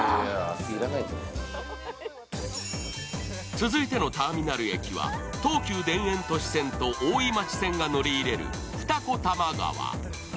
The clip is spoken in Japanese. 続いてのターミナル駅は東急田園都市線と大井町線が乗り入れる二子玉川。